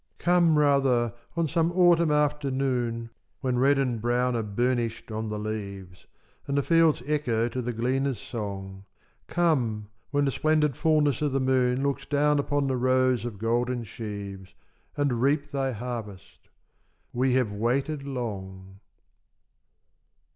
Come rather on some autumn afternoon, When red and brown are burnished on the leaves, And the fields echo to the gleaner's song, Come when the splendid fulness of the moon Looks down upon the rows of golden sheaves, And reap Thy harvest: we have waited long.